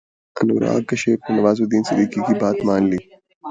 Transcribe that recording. انوراگ کشیپ نے نوازالدین صدیقی کی بات مان لی